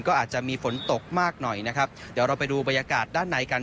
ก็อาจจะมีฝนตกมากหน่อยนะครับเดี๋ยวเราไปดูบรรยากาศด้านในกัน